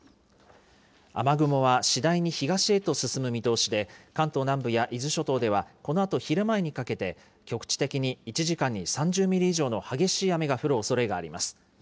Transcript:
雨雲は次第に東へと進む見通しで、関東南部や伊豆諸島では、このあと昼前にかけて、局地的に１時間に３０ミリ以上の激しい雨が降るおそれがあります。